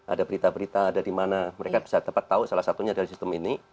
ada berita berita ada di mana mereka bisa dapat tahu salah satunya dari sistem ini